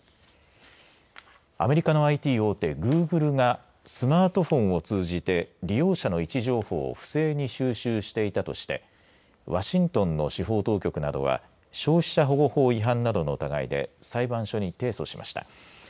アメリカのＩＴ大手グーグルがスマートフォンを通じて利用者の位置情報を不正に収集していたとしてワシントンの司法当局などは消費者保護法違反などの疑いで裁判所に提訴しました。